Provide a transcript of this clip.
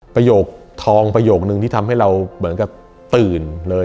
ประโยคทองประโยคนึงที่ทำให้เราเหมือนกับตื่นเลย